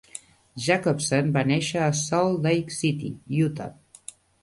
Jacobson va néixer a Salt Lake City, Utah.